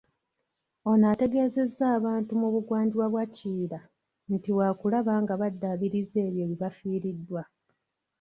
Ono ategeezezza abantu mu bugwanjuba bwa Kiyiira nti waakulaba ng'abaddiza ebyo bye bafiiriddwa.